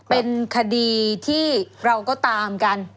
เป็นคดีที่เราก็ตามกัน